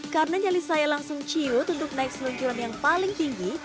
karena nyali saya langsung ciut untuk naik seluncuran yang paling tinggi